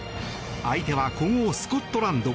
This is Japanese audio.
相手は古豪スコットランド。